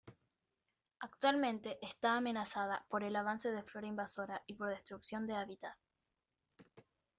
Actualmente está amenazada por el avance de flora invasora y por destrucción de habitat.